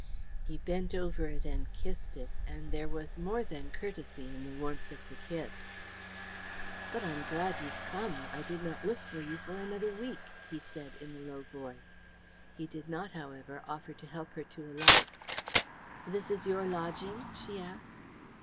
He bent over it and kissed it, and there was more than courtesy in the warmth of the kiss. "But I'm glad you've come. I did not look for you for another week," he said in a low voice. He did not, however, offer to help her to alight. "This is your lodging?" she asked.